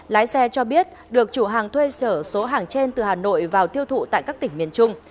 lái xe cho biết được chủ hàng thuê sở số hàng trên từ hà nội vào tiêu thụ tại các tỉnh miền trung